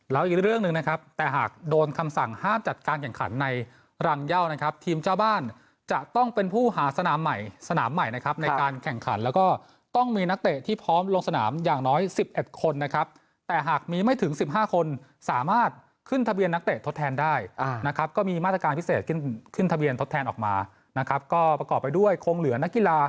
แล้วอีกเรื่องหนึ่งนะครับแต่หากโดนคำสั่งห้ามจัดการแข่งขันในรังเยานะครับทีมเจ้าบ้านจะต้องเป็นผู้หาสนามใหม่สนามใหม่นะครับในการแข่งขันแล้วก็ต้องมีนักเตะที่พร้อมลงสนามอย่างน้อย๑๑คนนะครับแต่หากมีไม่ถึง๑๕คนสามารถขึ้นทะเบียนนักเตะทดแทนได้นะครับก็มีมาตรการพิเศษขึ้นทะเบียนทดแทนออกมานะครับก็ประกอบไปด้วยคงเหลือนักกีฬา